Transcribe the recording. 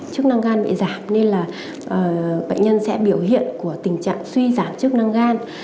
chức năng gan bị giảm nên là bệnh nhân sẽ biểu hiện của tình trạng suy giảm chức năng gan